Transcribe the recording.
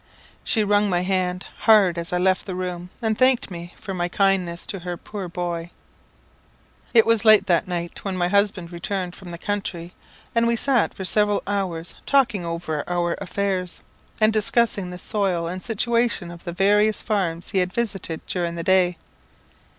She wrung my hand hard as I left the room, and thanked me for my kindness to her poor bhoy. It was late that night when my husband returned from the country, and we sat for several hours talking over our affairs, and discussing the soil and situation of the various farms he had visited during the day.